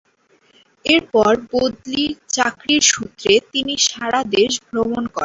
এরপর বদলি চাকরির সূত্রে তিনি সারা দেশ ভ্রমণ করেন।